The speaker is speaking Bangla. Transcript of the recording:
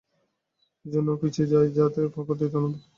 এইজন্য ও পিছিয়ে যায় যাতে ওদের খবর দিতে পারে।